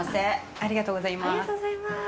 ありがとうございます。